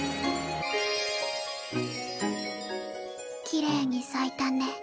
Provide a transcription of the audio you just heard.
きれいに咲いたね。